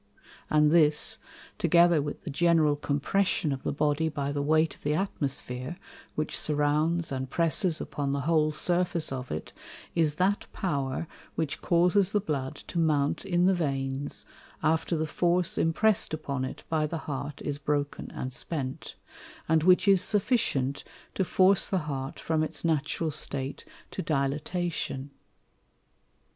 And this, together with the general Compression of the Body by the weight of the Atmosphere, which surrounds and presses upon the whole Surface of it, is that Power which causes the Blood to mount in the Veins, after the force impress'd upon it by the Heart is broken and spent, and which is sufficient to force the Heart from its natural State to Dilatation.